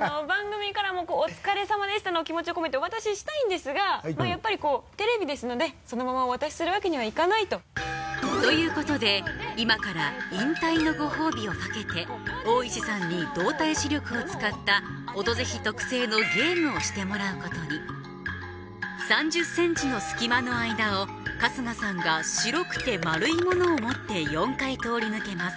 番組からもお疲れさまでしたの気持ちを込めてお渡ししたいんですがやっぱりこうテレビですのでそのままお渡しするわけにはいかないと。ということで今から引退のご褒美をかけて大石さんに動体視力を使った「オドぜひ」特製のゲームをしてもらうことに３０センチの隙間の間を春日さんが白くて丸いものを持って４回通り抜けます